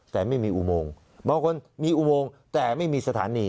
แต่ไม่มีอุโมงบางคนมีอุโมงแต่ไม่มีสถานี